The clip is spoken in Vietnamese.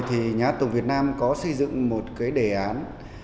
thì nhà tổng việt nam có xây dựng một cái đề án